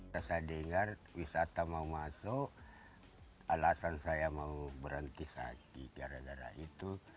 saya dengar wisata mau masuk alasan saya mau berhenti sakit gara gara itu